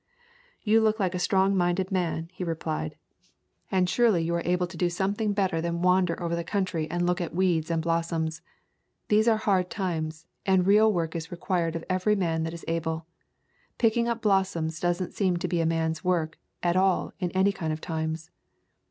"You look like a strong minded man," he re plied, "and surely you are able to do something [ 23 ] A Thousand Mile Walk better than wander over the country and look at weeds and blossoms. These are hard times, and real work is required of every man that is able. Picking up blossoms does n't seem to be a man's work at all in any kind of times."